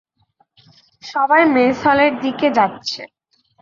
সবাই মেস হলের দিকে যাচ্ছে।